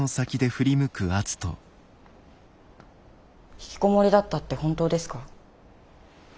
ひきこもりだったって本当ですか？